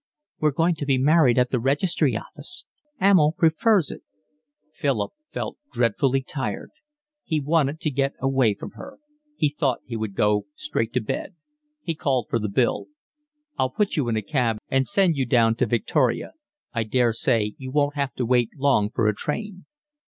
"We're going to be married at a registry office. Emil prefers it." Philip felt dreadfully tired. He wanted to get away from her. He thought he would go straight to bed. He called for the bill. "I'll put you in a cab and send you down to Victoria. I daresay you won't have to wait long for a train."